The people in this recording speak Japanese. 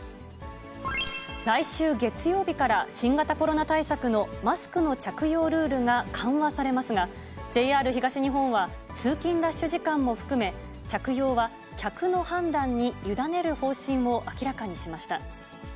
来週月曜日から新型コロナ対策のマスクの着用ルールが緩和されますが、ＪＲ東日本は、通勤ラッシュ時間も含め、着用は客の判断に委ねる方針を明らかにしました。